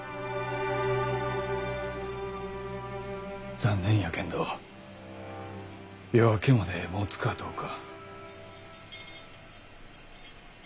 残念やけんど夜明けまでもつかどうか。